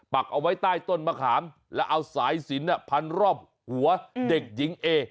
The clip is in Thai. ักเอาไว้ใต้ต้นมะขามแล้วเอาสายสินพันรอบหัวเด็กหญิงเอ